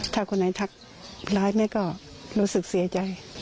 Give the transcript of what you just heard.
ถ้าคนไหนทักร้ายแม่ก็รู้สึกเสียใจ